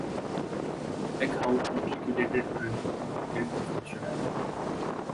Eeckhout matriculated early in the Gild of Amsterdam.